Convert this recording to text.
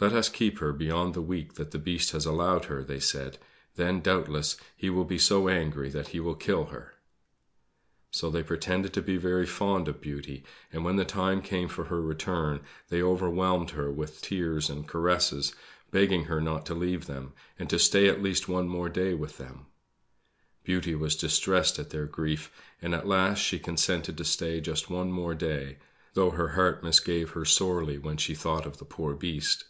"Let us keep her beyond the week that the Beast has allowed her," they said; "then, doubtless, he will be so angry that he will kill her." So they pretended to be very fond of Beauty, and when the time came for her return, they overwhelmed her with tears and caresses, begging her not to leave them, and to stay at least one more day with them. Beauty was distressed at their grief, and at last she consented to stay just one more day; though her heart misgave her sorely when she thought of the poor Beast.